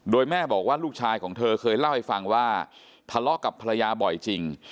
โดยแม่บอกว่าลูกชายของเธอเคยเล่าให้ฟังว่าทะเลาะกับภรรยาบ่อยจริง